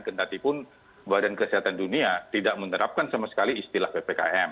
kendatipun badan kesehatan dunia tidak menerapkan sama sekali istilah ppkm